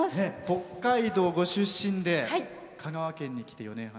北海道ご出身で香川県に来て４年半。